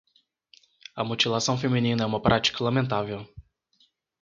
A mutilação feminina é uma prática lamentável